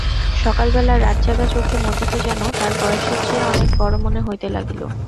সকালবেলা রাতজাগা চোখে মতিকে যেন তার বয়সের চেয়ে অনেক বড় মনে হইতে লাগিল।